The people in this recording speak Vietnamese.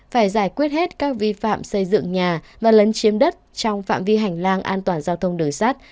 phải giải quyết hết các vi phạm xây dựng nhà và lấn chiếm đất trong phạm vi hành lang an toàn giao thông đường sát